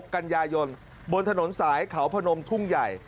กันยายนบนถนนสายเขาพนมทุ่งใหญ่